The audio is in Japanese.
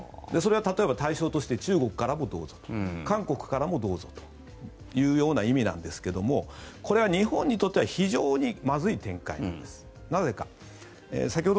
それは例えば対象として中国からもどうぞ韓国からもどうぞというような意味なんですがこれは日本にとっては非常にまずい展開なんです。